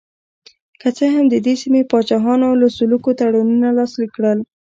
که څه هم د دې سیمې پاچاهانو لکه سلوکو تړونونه لاسلیک کړل.